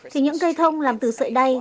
thì những cây thông làm từ sợi đay